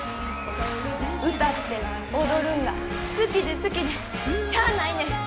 歌って踊るんが好きで好きでしゃあないねん。